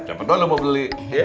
siapa tau lo mau beli